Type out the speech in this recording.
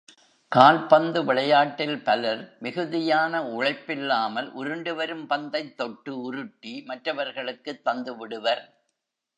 கால்பந்து விளையாட்டில் பலர் மிகுதியான உழைப்பில்லாமல் உருண்டுவரும் பந்தைத் தொட்டு உருட்டி மற்றவர்களுக்குத் தந்துவிடுவர்.